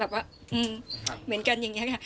ว่าเหมือนกันอย่างนี้ค่ะ